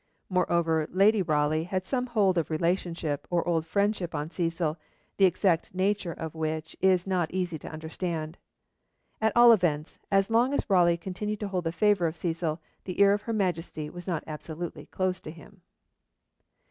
Moreover, Lady Raleigh had some hold of relationship or old friendship on Cecil, the exact nature of which it is not easy to understand. At all events, as long as Raleigh could hold the favour of Cecil, the ear of her Majesty was not absolutely closed to him.